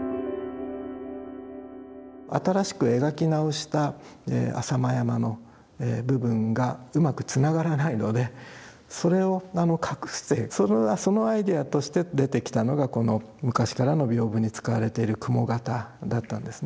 新しく描き直した浅間山の部分がうまくつながらないのでそれを隠すそのアイデアとして出てきたのがこの昔からの屏風に使われている雲形だったんですね。